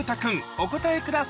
お答えください